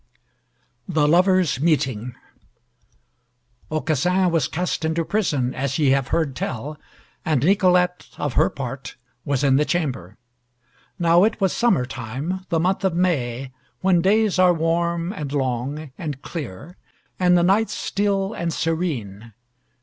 THE LOVERS' MEETING Aucassin was cast into prison as ye have heard tell, and Nicolette, of her part, was in the chamber. Now it was summer time, the month of May, when days are warm, and long, and clear, and the nights still and serene.